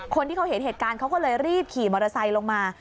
คนที่เขาเห็นเหตุการณ์เขาก็เลยรีบขี่มอเตอร์ไซค์ลงมา